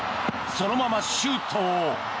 そのままシュート！